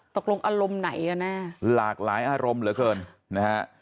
ตกลงอารมณ์ไหนกันแน่หลากหลายอารมณ์เหลือเกินนะฮะ